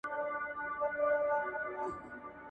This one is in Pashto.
بې موخې مه ګرځئ.